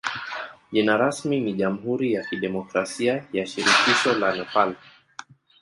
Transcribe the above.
Jina rasmi ni jamhuri ya kidemokrasia ya shirikisho la Nepal.